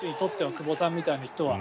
久保さんみたいな人は。